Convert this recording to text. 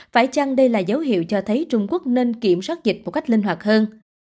phải chăng đây là dấu hiệu cho thấy trung quốc nên kiểm soát dịch một cách linh hoạt hơn